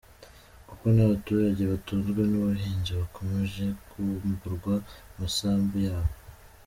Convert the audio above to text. kuko n’abaturage batunzwe n’ubuhinzi bakomeje kwamburwa amasambu yabo